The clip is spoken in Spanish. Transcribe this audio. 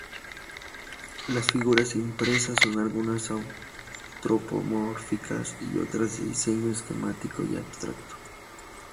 Las figuras impresas son algunas antropomórficas y otras de diseño esquemático y abstracto.